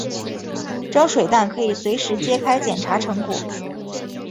蒸水蛋可以随时揭开捡查成果。